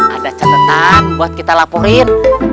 ada catatan buat kita laporin